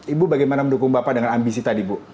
ibu bagaimana mendukung bapak dengan ambisi tadi bu